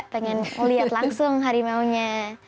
pengen lihat langsung harimaunya